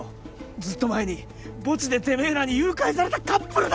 ずっと前に墓地でてめぇらに誘拐されたカップルだ！